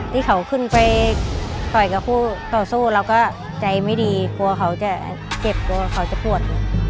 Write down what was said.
ที่เขาขึ้นไปต่อยกับคู่ต่อสู้เราก็ใจไม่ดีกลัวเขาจะเจ็บกลัวเขาจะปวด